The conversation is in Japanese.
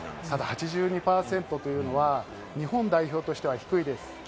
８２％というのは日本代表としては低いです。